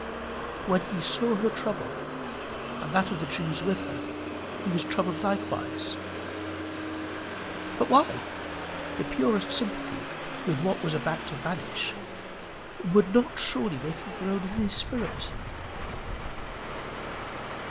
When he saw her trouble, and that of the Jews with her, he was troubled likewise. But why? The purest sympathy with what was about to vanish would not surely make him groan in his spirit.